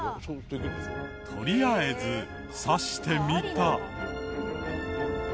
とりあえず挿してみた。